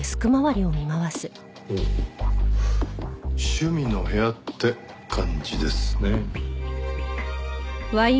趣味の部屋って感じですね。